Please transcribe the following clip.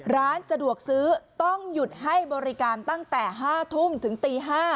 ร้านสะดวกซื้อต้องหยุดให้บริการตั้งแต่๕ทุ่มถึงตี๕